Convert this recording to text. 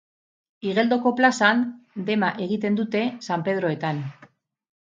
Igeldoko plazan, dema egiten dute, San Pedroetan